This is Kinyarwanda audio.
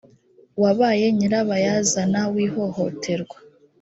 wabaye nyirabayazana w ihohoterwa